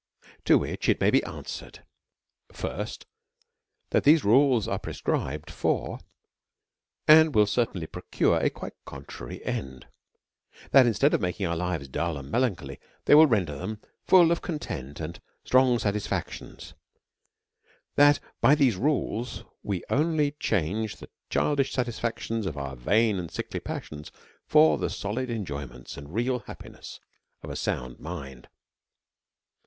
To which it may be answered : First, That these rules are prescribed, and will cer tainly procure a quite contrary end ; that, instead of making our lives dull and melancholy, tliey__willren der thgia iiitt 4i£.coiitent and strong satisfaction TT^iat by these rules we only cf^?rTg?rthe childish satisfactions of our vain and sickly passions for the solid enjoyments and real happiness of a sound mind.